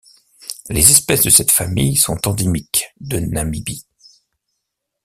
Les espèces de cette famille sont endémiques de Namibie.